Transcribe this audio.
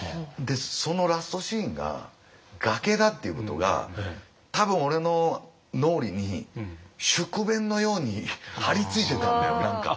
そのラストシーンが崖だっていうことが多分俺の脳裏に宿便のように張り付いてたんだよ何か。